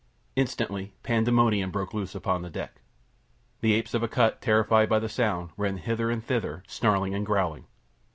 Instantly pandemonium broke loose upon the deck. The apes of Akut, terrified by the sound, ran hither and thither, snarling and growling.